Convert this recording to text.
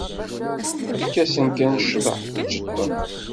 Efk-asen kan ccḍeḥ, teǧǧeḍ-ten.